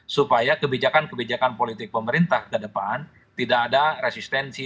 supaya kebijakan kebijakan politik pemerintah ke depan tidak ada resistensi